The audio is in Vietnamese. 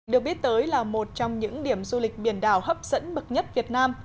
được biết tới là một trong những điểm du lịch biển đảo hấp dẫn bậc nhất việt nam